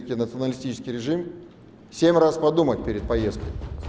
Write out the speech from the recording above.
tujuh kali berpikir sebelum berperang